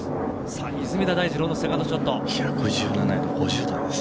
出水田大二郎のセカンドショットです。